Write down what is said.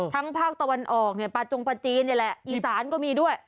ทั้งภาคตะวันออกปาจงปะจีนแหละอีสานก็มีด้วย